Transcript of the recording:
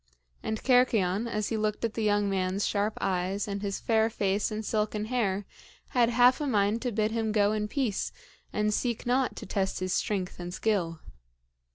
And Cercyon, as he looked at the young man's sharp eyes and his fair face and silken hair, had half a mind to bid him go in peace and seek not to test his strength and skill.